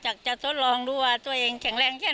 จะทดลองดูว่าตัวเองแข็งแรงแค่ไหน